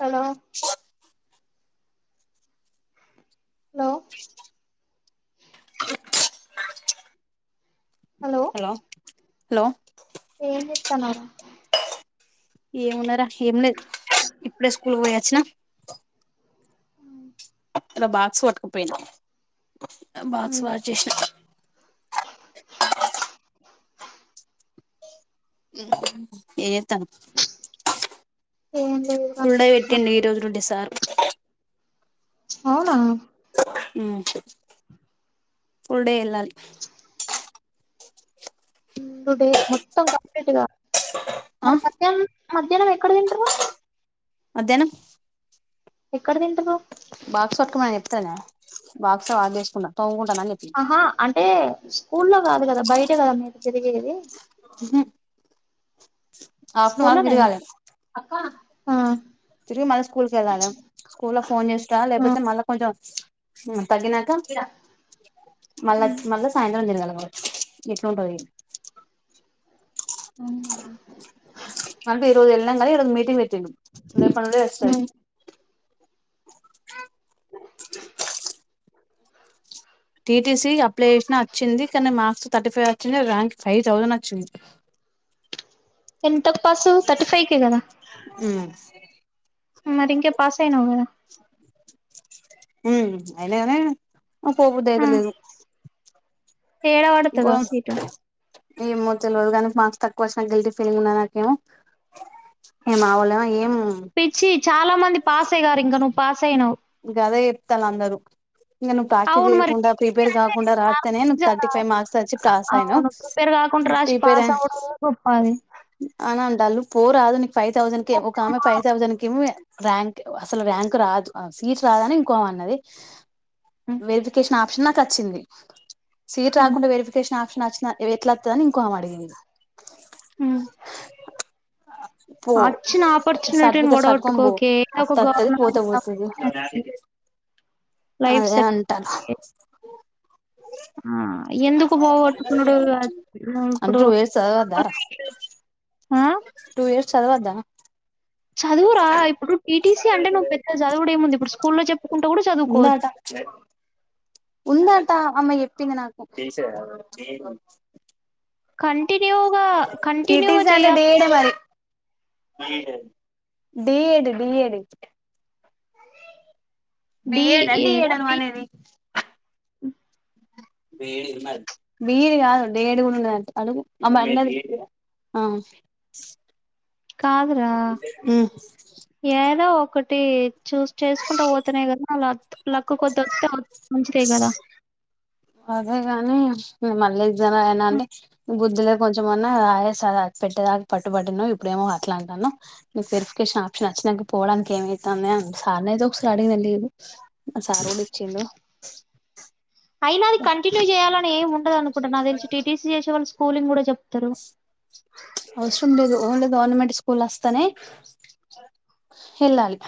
Hello hello hello hello ఏం చేతానవ్రా ఏమున్నైరా ఏం లేద్. ఇప్పుడే స్కూల్ పోయొచ్చిన. ఇలా బాక్స్ పట్టుకపోయినవ్. బాక్స్ వాష్ చేశిన. ఏం చేత్తానవ్ ఏం లేదురా ఫుల్డే పెట్టిండు ఈ రోజునుండి సారు. అవునా ఫుల్డే ఎళ్ళాలి. ఇంక డే మొత్తం కంప్లీట్గా ఆ మరి పత్యం మధ్యాహ్నం ఎక్కడ తింటరు. మధ్యాహ్నం ఎక్కడ తింటరు. బాక్స్ పట్టుకోమని చెప్తానా. బాక్స్ వాష్ చేసుకున్న తోముకుం ఆహా అంటే స్కూల్ లో కాదు గదా బయట గదా మీరు తిరిగేదీ. ఉహూ [unintelligible] స్కూల్లోనేనా తిరగాలి ఆ ఆ తిరిగి మళ్ళ స్కూల్ కి వెళ్ళాలి స్కూల్ లో ఫోన్ చేస్తా లేకపోతే మళ్ళ కొంచెం హ్మ్ తగ్గినాక మళ్ళా మళ్ళా సాయంత్రం తిరగాల ఇట్లుంటది ఆహా అంటే ఈరోజు వెళ్ళాం కానీ ఈడ మీటింగ్ పెట్ [unintelligible] వస్తాయి టీటిసి అప్లై చేసిన వచ్చింది కానీ మార్క్స్ థర్టీ ఫైవ్ వచ్చిన ర్యాంక్ ఫైవ్ థౌజండ్ వచ్చింది ఎ పాస్ థర్టీ ఫైవ్ కే కదా ఉమ్ మరి ఇంకే పాస్ అయినావు కదా హ్మ్ అయినాగానే పోబుద్దు అయిత ఆ లేదు ఏడ వడతదో సీటు ఏమో తెలవదు కానీ మార్క్స్ తక్కువ వచ్చిన గిల్టీ ఫీలింగ్ ఉన్నా నాకేమో ఏం మావోలేమో ఏం పిచ్చి చాలా మంది పాసే గారు ఇంక ను గదే చెప్తాల్ అందరూ ఇంకా నువ్వు ప్రాక్టీస్ అవును మరి చేయకుండా, ప్రిపేర్ కాకుండా రాత్తేనే నువ్ కాలేజ్ థర్టీ ఫైవ్ మార్క్స్, వచ్చి పాస్ అయినావ్ అవును ప్రిపేర్ కాకుండా రాసి ప్రిపేర్ పాస్ అనీ అవ్వడం గొప్ప అది అంటాళ్లు. పో రాద్ నీ ఫైవ్ తౌసాండ్ కే ఒక ఆమె ఫైవ్ తౌసాండ్ కీమో ర్యాంక్ అసలు ర్యాంకు రాదు ఆ సీట్ రాదని ఇంకో అన్నది ఉమ్, వెరిఫికేషన్ ఆప్షన్ నా కచ్చింది సీట్ ఉమ్, రాకుండ వెరిఫికేషన్ ఆప్ష నచ్చనా ఎట్లాత్తదీ అని ఇంకో ఆమె అడిగింది పో అచ్చిన ఆపర్చునిటీనీ సర్టిఫికెట్స్ వడకోట్టుకోకే ఏదో ఒక గవర్నమెంట్ జాబ్ చేయి లైఫ్ అదే అంటనా ఆ ఎందుకు పోగొట్టుకున్నాడు ము అంటే ఇప్పుడు టూ ఇయర్స్ చదవద్దారా ఆ? టూ ఇయర్స్ చదవద్దా చదువురా ఇప్పుడు టీటీసీ అంటే నువ్వు పెద్ద చదువుడు ఏముంది ఇప్పుడు స్కూల్లో చెప్పుకుంటూ కూడా చదువుకో ఉందటా అమేయేప్పింది నాకు కంటిన్యూగా కంటిన్యూగా చేయ డిఎడి డిఏడి డి బిఏడా ఏడా? డిఏడా నువ్వు బి- అనేది బిఏడి కాదు డిఏడ్ కూడ ఉన్నదట అడుగు ఆమే అన్నది కాదురా ఏదో ఒకటి చూస్ చేసుకుంట పోతనే కదా ల లక్కు కొద్ది వస్తే మంచిదే కదా అదే కాని నేను మళ్ళీ ఎగ్జామ్ రాయాలన అంటే బుద్ధులే కొంచెంమన్నా రాయ సార్ పెట్టేదాకా పట్టుబట్టినవ్ ఇప్పుడేమో అట్లా అంటానవ్ నీకు వెరిఫికేషన్ ఆప్షన్ వచ్చినాక పోవడానికి ఏమయితందే సార్ని అయితే ఒకసారి అడుగండి ఆ సార్ కూడా ఇచ్చిండు అయినా అది కంటిన్యూ చేయాల ని ఏముండదు అనుకుంటున్నా నాకు తెలిసి టీటిసీ చేసేవాళ్ళు స్కూలింగ్ కూడా చెప్తారు అవసరం లేదు ఓన్లీ గవర్నమెంట్ స్కూల్ వస్తేనే వెళ్ళాలి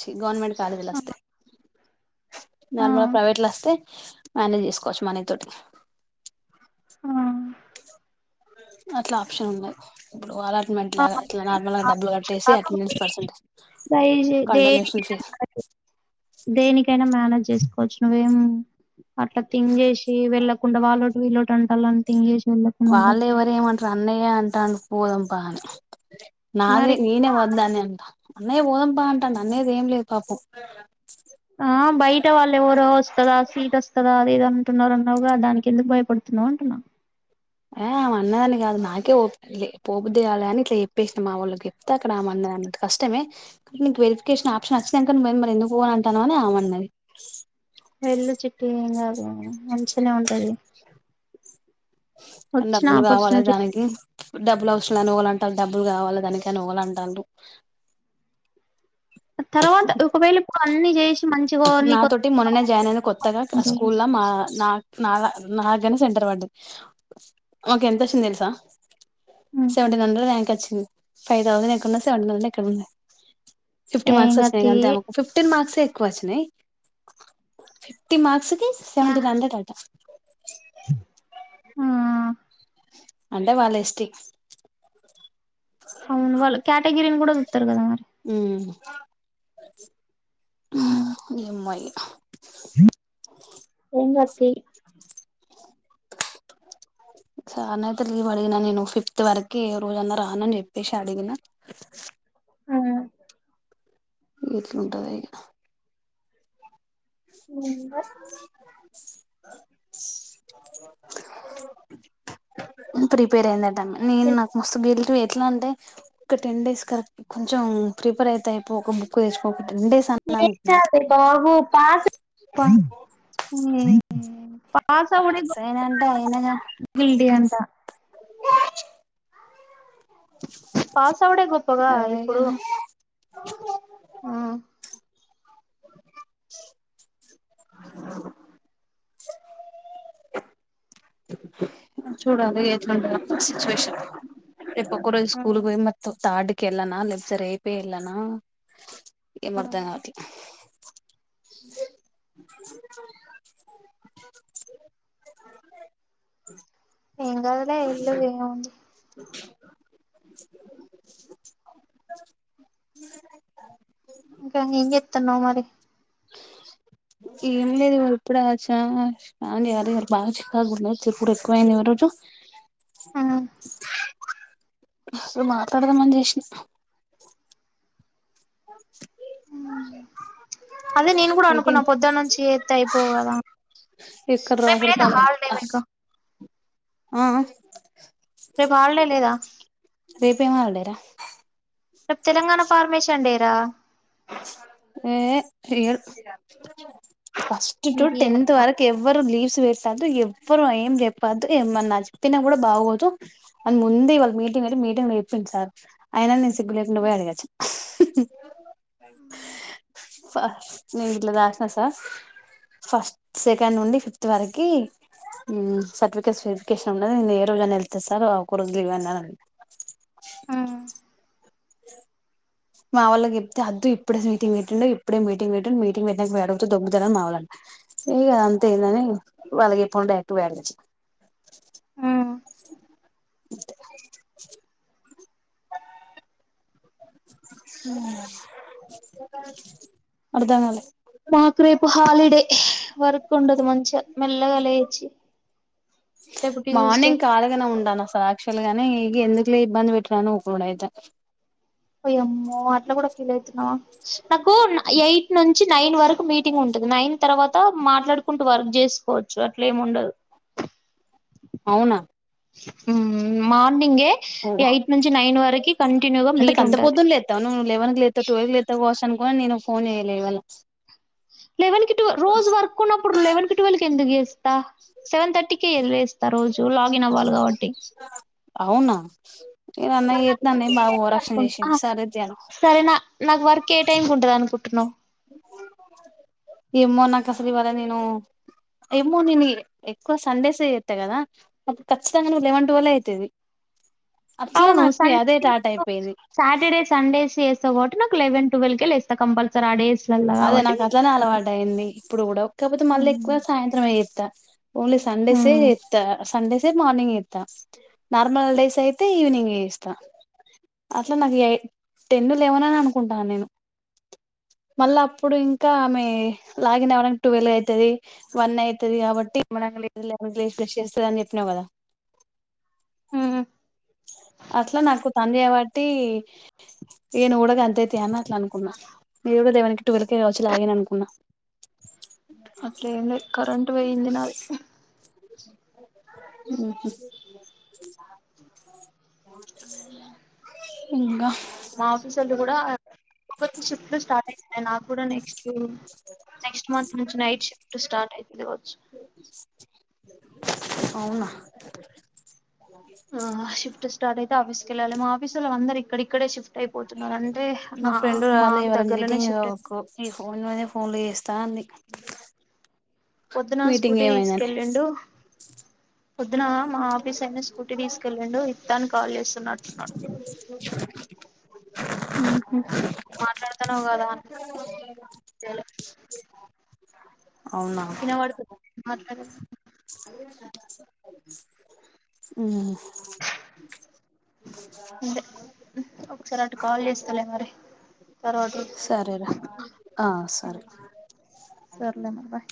చి గవర్నమెంట్ కాలేజీలు ఆ. వస్తే ఆ. నార్మల్గా ప్రైవేట్లు లో వస్తే మేనేజ్ చేసుకోవచ్చు మన తోటి ఆ అట్లా ఆప్షన్ ఉన్నాయి ఇప్పుడు అలా ఆ మట్లగా ఇట్లగా నార్మల్గా డబ్బులు కట్టేసి కాకపోతే అటెండెన్స్ పర్సంటేజ్ ట్రై చే- కండోనేషన్ దేనికైనా ఫీజు దేనికైనా మేనేజ్ చేసుకోవచ్చు నువ్వేం అట్లా థింగ్ చేసి వెళ్ళకుండా వల్లోటి విళ్ళోటి అంటాలని థింగ్ చేసి వెళ్ళకుండా ఉండకు వాళ్ళు ఎవర ఏమంటారు అన్నయ్యే అంటాడు పోదాం పా అని నాదే మరి నేనే వద్దని అంటాన అన్నయ్య పోదాం పా అంటాడు అన్నయ్యది ఏం లేదు పాపం ఆ బయట వాళ్ళు ఎవరో వస్తదా సీట్ వస్తదా అదేదో అ అంటున్నారు అన్నావుగా దానికి ఎందుకు భయపడుతున్నవు అంటున్నా ఆమె అన్నదాన్ని కాదు నాకే ఓపికలే పోబుద్ధి కాలే అని ఇట్లా చెప్పేషీనా మా వోళ్ళకే చెప్తే అక్కడ ఆమె అన్నది అంతే కష్టమే నీకు వెరిఫికేషన్ ఆప్షన్ వచ్చినంక నువ్వేది మరి ఎందుకు పోను అంటా అన్నావ్ అని ఆమె అన్నది వెల్లు చిట్టి ఏం కాదు మంచనే ఉంటది వచ్చిన డబ్బులు కావాలే ఆపర్చునిటీ దానికి డబ్బులు అవసరం లే దానికి అని ఓగలు అంటల్లూ డబ్బులు కావాలి దానికి అని ఓగలు అంటల్లురు తర్వాత ఒకవేళ పో అన్ని చేసి మంచిగా నీకు నాతోటి మొన్ననే జాయిన్ అయిన కొత్తగా స్కూల్ లో మా నా నాద నాద్దగారనే నే సెంటర్ వడ్డది అవకు ఎంతొచ్చింది తెలుసా సెవెంటీన్ హండ్రెడ్ ర్యాంక్ ఒచ్చింది ఫైవ్ తౌసంద్ ఎక్కడనో సెవన్ హండ్రెడ్ ఎక్కన్నో ఫిఫ్టీ మార్క్స్ ఇంగ వచ్చినాయి తీ అంతేమకు ఫిఫ్టీన్ మార్క్స్ కోషనై fifty marks తిస్ yeah seventeen hundred అట ఆ అంటే వాళ్ళు ఎస్ టి అవును వాళ్ళు కేటగిరీని కూడా చూత్తారు కదా ! ! ! ! ! ! ! ! ! ! ఏం గాదు తీ చార్న ఐతే లీవ్ అడిగిన నేను ఫిఫ్త్ వరకు ఏ రోజన్నా రానని చెప్పేసి అడిగినా ఆ ఎట్లుంటది [inaudible] ప్రిపేర్ అయిందన్ [inaudible] నేను నాకు మస్తు గిల్ టు ఎట్లంటే ఒక టెన్ డేస్ కరక్ కొంచెం ప్రిపేర్ అయితే అయిపో ఒక బుక్ తెసుకోకు ఏం కాదే బబు పాస్ [inaudible] పాస్ అవ్వుడే అయినా అంటే అయినగా [inaudible] గిల్టీ అంట పాస్ అవుడే గొప్పగా ఇప్పుడు అదేగాని ఆ చూడాలి ఎట్లుంటదో సిచ్యువేషన్ రేపు ఒక్క రోజే స్కూల్ పోయి మొత్తం తాడ్ కెళ్ళనా లేకపోతే రేపేవెళ్ళనా ఏమర్ధం కావట్లా ఏం కాదులే ఎల్లు ఏముంది ఇంకా ఏం చేస్తున్నావు మరి ఏం లేదు ఇవాళ ఇప్పుడే వచ్చా స్నానం చేయాలి ఇవాళ బాగా చికాకు పుడుతుంది తిప్పుడు ఎక్కువయింది ఈ రోజు సో మాట్లాడదామని చేసిన అదే నేను కూడా ఇది అనుకున్నా పొద్దున్న నుంచి చేత్తే అయిపోవు కదా ఇక్కడ రేపు రాసలు లేదా కాదు హాలిడే మీకు ఆ రేపు హాలిడే లేదా రేపేమ్ హాలిడేరా రేప్ తెలంగాణ ఫార్మేషన్ డే రా ఏ ఇయడు ఏ ఫస్ట్ టు మీకు ఇయర్ టెన్త్ వరకు ఎవ్వరు లీవ్స్ పెట్టద్దు ఎవ్వరు ఏం చెప్పద్దు ఏమన్నా చెప్పినా కూడా బాగోదు అని ముందే ఇవాళ్ళ మీటింగ్ పెటి మీటింగ్ ల చెప్పింరు సారు అయినా నేను సిగ్గు లేకుండా పోయి అడిగిఅచ్చినా ఫస్ట్ నేను ఇట్లా దాసిన సార్ ఫస్ట్ సెకండ్ నుండి ఫిఫ్త్ వరకి హ్ సర్టిఫికేట్ వెరిఫికేషన్ ఉన్నది నేను ఏ రోజు అన్నా వెళ్తా సార్ ఒక రోజు లీవ్ ఇవ్వండి అన్నా అ మా వాళ్ళకి చెప్తే అద్దు ఇప్పుడే మీటింగ్ పెట్టిండే ఇప్పుడే మీటింగ్ పెట్టిండు మీటింగ్ పెట్టింనంక పోయి అడిగితే దొబ్బుతడు అని మా వాళ్ళు ఇగ ఇదంతేందని వాళ్ళకి చెప్పకుండా పోయి డైరక్ట్ అడిగి అచ్చినా అంతే అర్ధం కాలే మాకు రేపు హాలిడే వర్క్ ఉండదు మంచిగా మెల్లగా లేచి రేపు ట్యూస్డే మార్నింగ్ కాలిగనే ఉంటన్న సార్ అక్చుఅల్లీ లగాని ఇ గ ఎందుకని ఇబ్బంది పెట్టుడని ఊకుండుడు అయితాంది. వోయ్యమో అట్లా కూడా ఫీల్ అయితున్నా నాకు ఎయిట్ నుంచి నైన్ వరకు మీటింగ్ ఉంటుంది నైన్ తర్వాత మాట్లాడుకుంటూ వర్క్ చేసు కోచ్చు అట్లేము ఉండదు. అవునా హ్మ్ మా మార్నింగే ఎయిట్ నుంచి నైన్ వరకు కంటిన్యూగా అంటే మీట్ గంత ఉంటది. పొద్దున కోని నేను ఫోన్ చేయ్యలే ఇవళ లెవన్కి, ట్వల్కి రోజు వర్క్ ఉన్నప్పుడు లెవన్కి, ట్వల్కి ఎందుకు లే స్తా సెవెన్ తథర్టీకి లేస్ త రోజు లాగిన్ అవ్వాలి కాబట్టి అవునా నేను అన్నయ్య చేత్తే అన్నయ్య బాగా ఓవరాక్షన్ చేసిండు సరే తీ అను సరే నా నాకు వర్క్ ఏ టైం ఉంటది అనుకుంటు న్నవ్ ఏమో నాకు అసలు ఇవాళ నేను ఏమో నేను ఎక్కువ సండేస్ ఏ చేత్తా కదా అప్పుడు ఖచ్చితంగా నువ్వు లెవెన్ టువ్వేల్ ఏ అయితది. అట్లా అవును స [inaudible] నాకు అదే టాట్ అయిపోయింది సాటర్డే సండేస్ చె స్తావ్ కాబట్టి నాకు లెవన్ ట్వల్ కె లేస్త కంపల్సరీ ఆ డేస్ అదే నాకు అట్లనే అలవాటు అయింది, ఇప్పుడు కూడా కాకపోతే మళ్ళీ హ్మ్. ఎక్కువ సాయంత్రం మే చేత్తా. ఓన్లీ సండేసే హ్మ్. చేత్త సండే లే మార్నింగ్ చేత్త నార్మల్ డేస్ అయితే ఈవినింగ్ చేస్తా అట్లా నాకు ఎయి టెన్ లెవెన్ అని అనుకుంటన్న నేను మళ్ళ అప్పుడు ఇంకా ఆమె లాగిన్ అవ్వడానికి టువెల్ అయితది వన్ అయితది కాబట్టి [inaudible] [inaudible] బ్రష్ చేస్తది అని చెప్పినవు కదా హుమ్ అట్లా నాకు తను చేబట్టి ఇగ నువ్వు కూడా గంతే తీ అని అట్లా అనుకున్నా మీరు కూడా లేవనికి టువలికే కావచ్చు లాగిన్ అనుకున్నా. అట్లేం లేదు కరెంట్ పోయింది నాది మ్మ్ హ్మ్ ఇంగా మా ఆఫీసోళ్లు కూడా ఒకోరికి షిఫ్ట్ లు స్టార్ట్ అయితున్నాయి నాకు కూడా నెక్స్ట్ నెక్స్ట్ మంత్ నుంచి నైట్ షిఫ్ట్ స్టార్ట్ అయితు అవునా ఆ షిఫ్ట్ స్టార్ట్ అయి ఆఫీస్ కెళ్ళాలి మా ఆఫీసోల్లందరం ఇక్కడి మా ఫ్రెండ్ రాల మాకు ఇవాళ దగ్గరలోనే మీటింగ్ షిఫ్ట్ అయి కు ఈ ఫోన్ మీద ఫోన్లు చేస్తాంది పొద్దున మీటింగ్ స్కూటీ ఏమైందని తీసుకెళ్లిండు పొద్దున మా ఆఫీస్ ఆయిన స్కూటీ తీసుకెళ్ళిండు ఇత్తా అని కాల్ చేస్తున్నట్టున్నాడు మాట్లాడుతన్నావు కదా అవును ఇన పడుతుందా నేను మాట్లాడేది అంటే ఒకసారి అటు కాల్ చేస్తలే మరి తర్వాత సరేరా ఆ సరే సర్లే మరి బాయ్